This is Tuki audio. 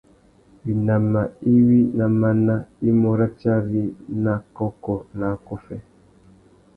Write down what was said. Winama iwí ná máná i mú ratiari nà kôkô nà akôffê.